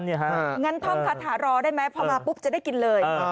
งั้นท่องคาถารอได้ไหมพอมาปุ๊บจะได้กินเลย